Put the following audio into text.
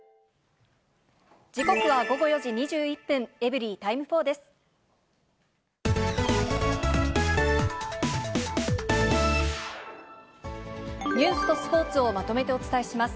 時刻は午後４時２１分、エブリィタイム４です。